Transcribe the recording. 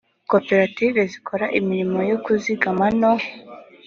koperative zikora imirimo yo kuzigama no